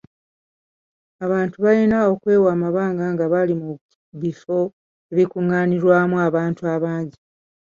Abantu balina okwewa amabanga nga bali mu bifo ebikungaanirwamu abantu abangi.